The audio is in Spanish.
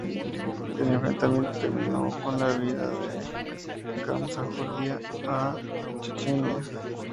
El enfrentamiento terminó con la huida de Gamsajurdia a Chechenia.